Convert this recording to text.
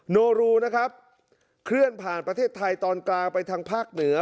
โนรูนะครับเคลื่อนผ่านประเทศไทยตอนกลางไปทางภาคเหนือ